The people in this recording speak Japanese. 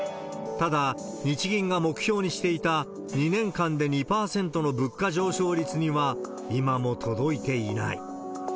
ただ、日銀が目標にしていた２年間で２％の物価上昇率には今も届いていない。